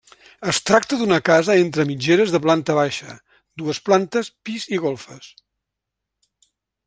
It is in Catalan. Es tracta d'una casa entre mitgeres de planta baixa, dues plantes pis i golfes.